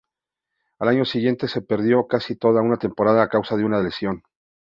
Al año siguiente se perdió casi toda la temporada a causa de una lesión.